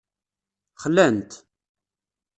Xlan-t.